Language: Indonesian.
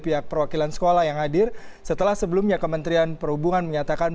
pihak perwakilan sekolah yang hadir setelah sebelumnya kementerian perhubungan menyatakan